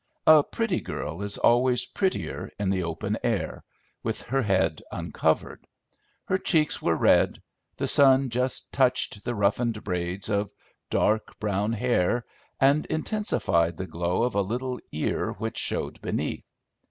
A pretty girl is always prettier in the open air, with her head uncovered. Her cheeks were red; the sun just touched the roughened braids of dark brown hair, and intensified the glow of a little ear which showed beneath.